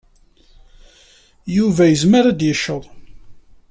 Yuba yezmer ad d-yeched.